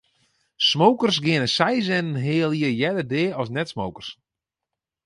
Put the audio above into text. Smokers geane seis en in heal jier earder dea as net-smokers.